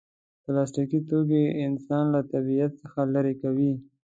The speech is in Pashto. پلاستيکي توکي انسان له طبیعت څخه لرې کوي.